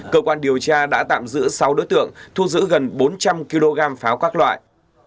cơ quan điều tra đã tạm giữ sáu đối tượng thu giữ gần bốn trăm linh kg pháo các loại